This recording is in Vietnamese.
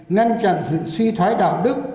ngăn chặn sự suy thoái đạo đức